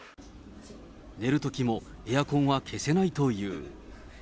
寝るときもエアコンは消せないという。